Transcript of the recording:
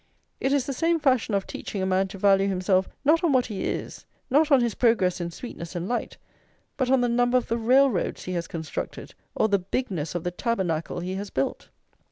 It is the same fashion of teaching a man to value himself not on what he is, not on his progress in sweetness and light, but on the number of the railroads he has constructed, or the bigness of the Tabernacle he has built.